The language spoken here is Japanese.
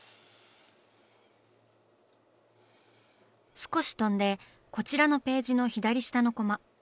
少し飛んでこちらのページの左下のコマ。